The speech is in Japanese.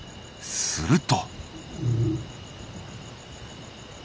すると。